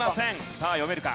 さあ読めるか？